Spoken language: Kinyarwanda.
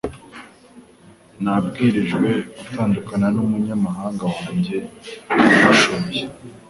Nabwirijwe gutandukana numunyamabanga wanjye ubishoboye